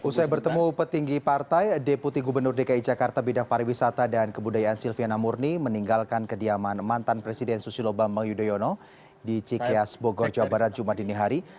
usai bertemu petinggi partai deputi gubernur dki jakarta bidang pariwisata dan kebudayaan silviana murni meninggalkan kediaman mantan presiden susilo bambang yudhoyono di cikias bogor jawa barat jumat dinihari